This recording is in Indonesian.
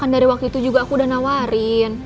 dari waktu itu juga aku udah nawarin